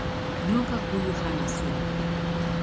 Nyoka huyu hana sumu.